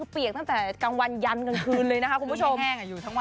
เปียกตั้งแต่กลางวันยันต์กลางคืนเลย